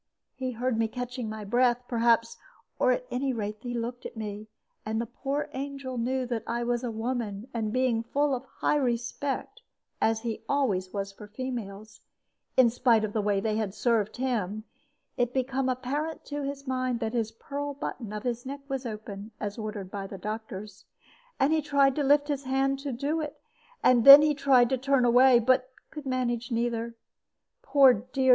He heard me catching my breath, perhaps, or at any rate he looked at me; and the poor angel knew that I was a woman; and being full of high respect, as he always was for females in spite of the way they had served him it became apparent to his mind that the pearl button of his neck was open, as ordered by the doctors. And he tried to lift his hand to do it; and then he tried to turn away, but could not manage either. Poor dear!